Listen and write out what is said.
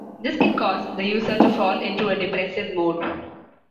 This can cause the user to fall into a depressive mood.